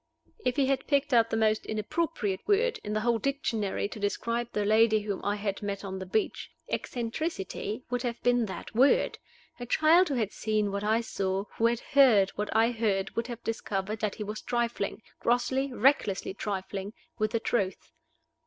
If he had picked out the most inappropriate word in the whole dictionary to describe the lady whom I had met on the beach, "Eccentricity" would have been that word. A child who had seen what I saw, who had heard what I heard would have discovered that he was trifling grossly, recklessly trifling with the truth.